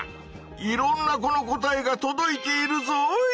いろんな子の答えがとどいているぞい！